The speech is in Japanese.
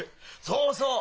そうそう！